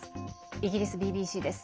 イギリスＢＢＣです。